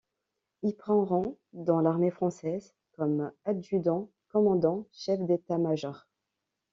Il prend rang dans l'armée française comme adjudant-commandant chef d'état-major.